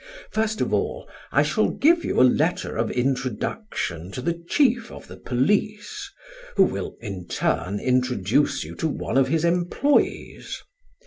First of all, I shall give you a letter of introduction to the chief of the police, who will in turn introduce you to one of his employees.